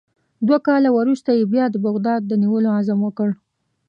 دوه کاله وروسته یې بیا د بغداد د نیولو عزم وکړ.